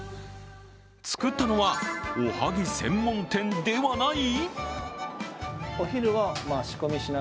作ったのはおはぎ専門店ではない！？